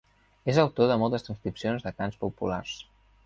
És autor de moltes transcripcions de cants populars.